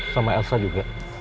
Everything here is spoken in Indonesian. sama elsa juga